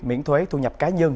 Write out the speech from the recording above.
miễn thuế thu nhập cá nhân